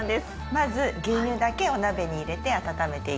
まず牛乳だけお鍋に入れて温めていきます。